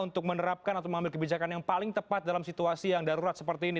untuk menerapkan atau mengambil kebijakan yang paling tepat dalam situasi yang darurat seperti ini